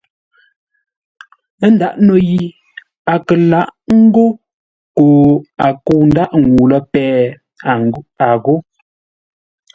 Ńdǎʼ no yi a kə lǎʼ ńgó koo a kə̂u ńdáʼ ŋuu lə́ péh, a ghô.